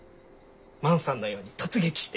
万さんのように突撃して。